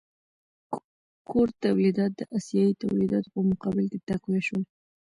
کور تولیدات د اسیايي تولیداتو په مقابل کې تقویه شول.